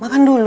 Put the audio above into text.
mbak tam tam